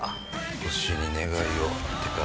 星に願いをってか。